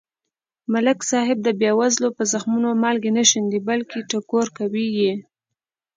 ملک صاحب د بې وزلو په زخمونو مالګې نه شیندي. بلکې ټکور کوي یې.